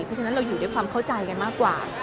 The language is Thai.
เพราะฉะนั้นเราอยู่ด้วยความเข้าใจกันมากกว่า